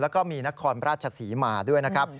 แล้วก็มีนครราชศรีมาด้วยนะครับ